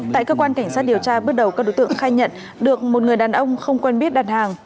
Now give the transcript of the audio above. tại cơ quan cảnh sát điều tra bước đầu các đối tượng khai nhận được một người đàn ông không quen biết đặt hàng